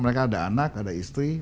mereka ada anak ada istri